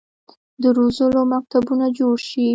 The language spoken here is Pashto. د روزلو مکتبونه جوړ شي.